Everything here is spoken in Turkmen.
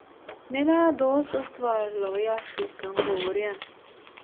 Men-ä dost, ygtybarlylygy ýagşylykdan gowy görýän.